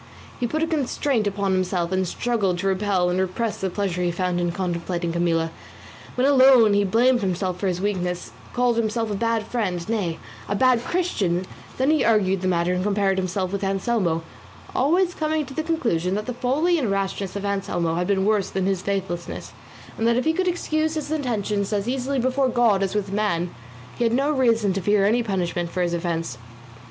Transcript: He put a constraint upon himself, and struggled to repel and repress the pleasure he found in contemplating Camilla; when alone he blamed himself for his weakness, called himself a bad friend, nay a bad Christian; then he argued the matter and compared himself with Anselmo; always coming to the conclusion that the folly and rashness of Anselmo had been worse than his faithlessness, and that if he could excuse his intentions as easily before God as with man, he had no reason to fear any punishment for his offence.